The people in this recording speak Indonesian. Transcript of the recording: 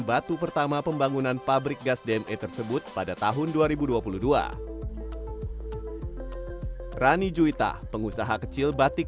batu pertama pembangunan pabrik gas dme tersebut pada tahun dua ribu dua puluh dua rani juita pengusaha kecil batik